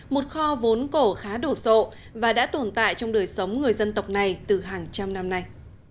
một kho vốn cổ khá đổ sộ và đã tồn tại trong đời sống người dân tộc này từ hàng trăm năm nay